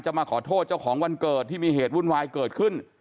มาขอโทษเจ้าของวันเกิดที่มีเหตุวุ่นวายเกิดขึ้น